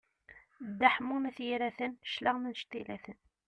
Dda Ḥemmu n At Yiraten, claɣem annect ila-ten!